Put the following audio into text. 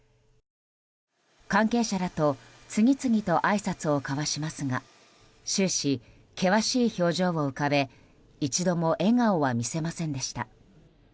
関係者らと次々とあいさつを交わしますが終始、険しい表情を浮かべ一度も笑顔は見せませんでした。